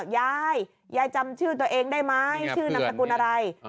ยายยายจำชื่อตัวเองได้ไหมชื่อนามสกุลอะไร